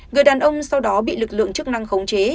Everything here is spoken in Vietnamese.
người đàn ông sau đó bị lực lượng chức năng khống chế